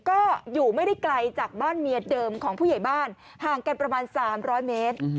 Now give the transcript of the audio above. ก็อยู่ไม่ได้ไกลจากบ้านเมียเดิมของผู้ใหญ่บ้านห่างกันประมาณ๓๐๐เมตร